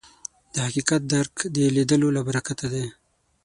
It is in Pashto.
د حقیقت درک د لیدلو له برکته دی